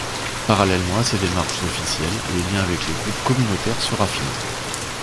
Parallèlement à ces démarches officielles, les liens avec les groupes communautaires se raffinent.